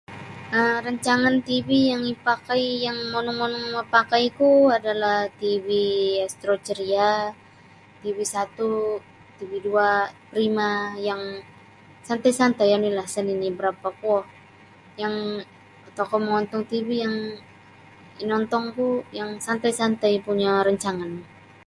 um Rancangan tv yang ipakai yang monong-monong mapakaiku adalah tv Astro Ceria, tv satu', tv dua', Prima yang santai-santai onilah isa nini' barapa' kuo yang tokou mongontong tv yang inontongku yang santai-santai punyo rancangan.